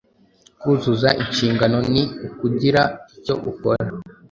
Kuzuza inshingano ni ukugira icyo ukora